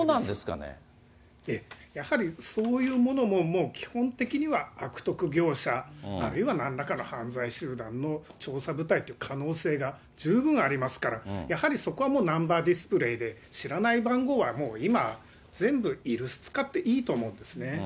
やはりそういうものも、もう基本的には悪徳業者、あるいはなんらかの犯罪集団の調査部隊という可能性が十分ありますから、やはりそこはもうナンバーディスプレーで知らない番号はもう今、全部居留守使っていいと思うんですね。